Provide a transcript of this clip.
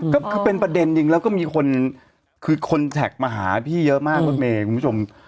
ก็คือเป็นประเด็นจริงแล้วก็มีคนคือคนแท็กมาหาพี่เยอะมากรถเมย์คุณผู้ชม